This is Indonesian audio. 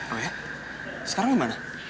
oh ya sekarang dimana